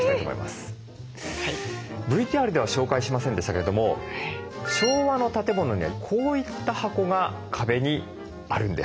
ＶＴＲでは紹介しませんでしたけれども昭和の建物にはこういった箱が壁にあるんです。